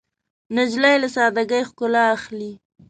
نجلۍ له سادګۍ ښکلا اخلي.